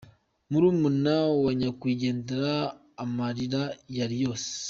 Murumuna wa Nyakwigendera amarira yari yose.